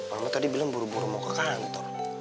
mama tadi bilang buru buru mau ke kantor